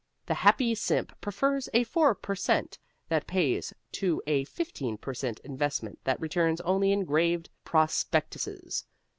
The happy simp prefers a 4 per cent that pays to a 15 per cent investment that returns only engraved prospectuses.